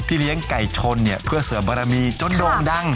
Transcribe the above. เลี้ยงไก่ชนเนี่ยเพื่อเสริมบารมีจนโด่งดัง